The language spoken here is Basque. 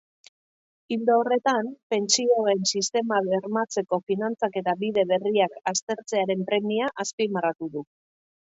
Ildo horretan, pentsioen sistema bermatzeko finantzaketa bide berriak aztertzearen premia azpimarratu du.